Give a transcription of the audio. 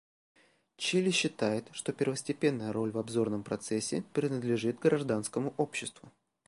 Чили считает, что первостепенная роль в обзорном процессе принадлежит гражданскому обществу.